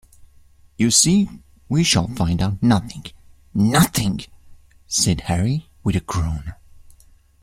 "You see, we shall find out nothing — nothing," said Harry, with a groan.